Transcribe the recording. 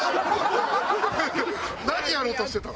何やろうとしてたの？